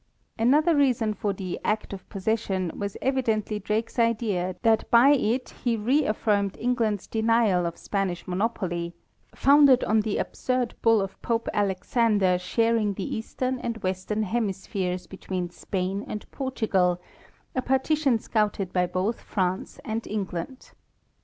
Another reason for the "act of possession " was evidently Drake's idea that by it he reaffirmed England's denial of Spain's monopoly, founded on the absurd bull of Pope Alexander sharing the eastern and western hemis pheres between Spain and Portugal, a partition scouted by both France and England.